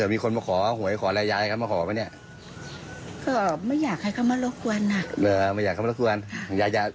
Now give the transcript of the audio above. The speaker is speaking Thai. ไม่อยากให้มารบกวนคุณยายเนี่ยจรรยา